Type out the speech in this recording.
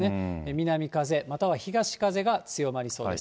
南風、または東風が強まりそうです。